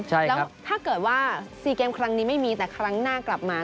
แล้วถ้าเกิดว่า๔เกมครั้งนี้ไม่มีแต่ครั้งหน้ากลับมา